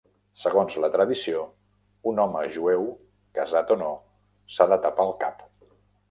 Segons la tradició, un home jueu, casat o no, s'ha de tapar el cap.